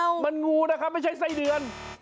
มันงูนะครับไม่ใช่ไส้เดือน